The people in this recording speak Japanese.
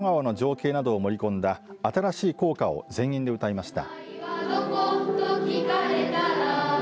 そして近くを流れる浅野川の情景などを盛り込んだ新しい校歌を全員で歌いました。